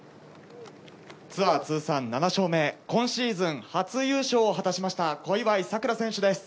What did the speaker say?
ツアー通算７勝目今シーズン初優勝を果たしました小祝さくら選手です。